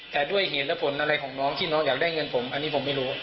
แต่ด้วยเหตุและผลอะไรของน้องที่น้องอยากได้เงินผมอันนี้ผมไม่รู้